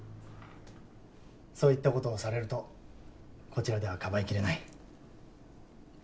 そういったことをされるとこちらではかばいきれない。